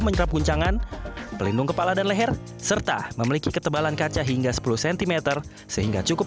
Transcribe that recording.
menyerap guncangan pelindung kepala dan leher serta memiliki ketebalan kaca hingga sepuluh cm sehingga cukup